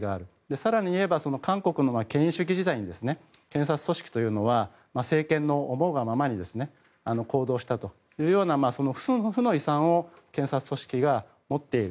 更に言えば韓国の権威主義の時代に検察組織というのは警察の思うがままに行動したというような負の遺産を検察組織が持っている。